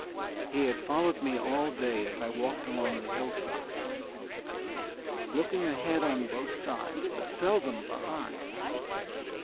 _ He had followed me all day as I walked along the hillside, looking ahead and on both sides, but seldom behind.